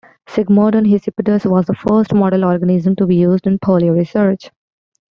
"Sigmodon hispidus" was the first model organism to be used in polio research.